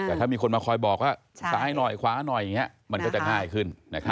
แต่ถ้ามีคนมาคอยบอกว่าซ้ายหน่อยขวาหน่อยอย่างนี้มันก็จะง่ายขึ้น